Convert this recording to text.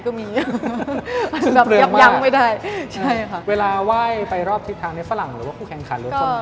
เขารู้สึกอย่างไงบ้างค่ะ